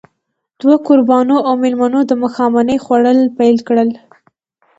دوه کوربانو او مېلمنو د ماښامنۍ خوړل پيل کړل.